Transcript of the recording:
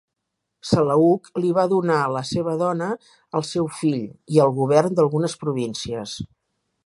Seleuc li va donar la seva dona al seu fill i el govern d'algunes províncies.